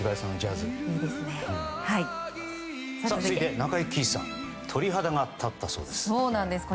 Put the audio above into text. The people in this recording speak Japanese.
続いて、中井貴一さん鳥肌が立ったそうです。